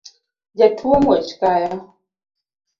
Jatuo muoch kayo